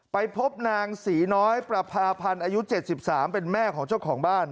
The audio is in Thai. ไปพบนางศรีน้อยประพาพันธ์อายุ๗๓เป็นแม่ของเจ้าของบ้าน